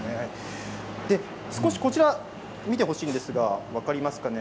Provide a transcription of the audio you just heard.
少しこちらを見てほしいんですが分かりますかね。